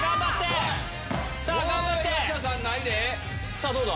さぁどうだ？